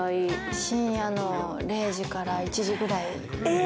深夜の０時から１時ぐらい。